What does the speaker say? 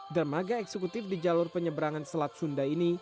dermaga eksekutif di jalur penyeberangan selat sunda ini